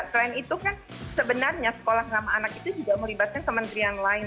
selain itu kan sebenarnya sekolah ramah anak itu juga melibatkan kementerian lain